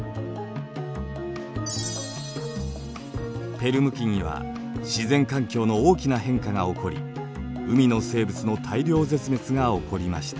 ペルム紀には自然環境の大きな変化が起こり海の生物の大量絶滅が起こりました。